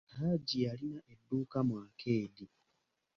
Hajji yalina edduuka mu akeedi.